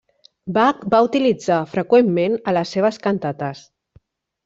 Bach va utilitzar freqüentment a les seves cantates.